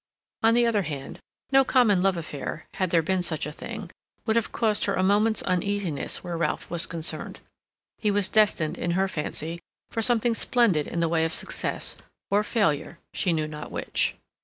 On the other hand, no common love affair, had there been such a thing, would have caused her a moment's uneasiness where Ralph was concerned. He was destined in her fancy for something splendid in the way of success or failure, she knew not which.